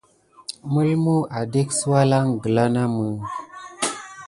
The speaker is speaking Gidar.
Mulmu adek sə walanŋ gkla namə.